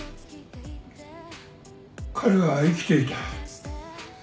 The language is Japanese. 彼は生きていた。